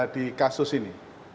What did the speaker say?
di kasus ini